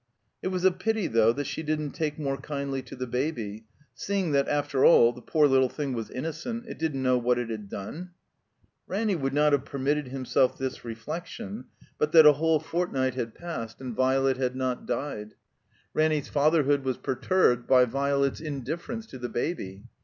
It was a pity, though, that she didn't take more kindly to the baby, seeing that, after all, the poor little thing was innocent, it didn't know what it had done. Ranny would not have permitted himself this re flection but that a whole fortnight bad passed and THE COMBINED MAZE Violet had not died. Ranny's fatherhood was per ttirbed by Violet's indiflference to the baby.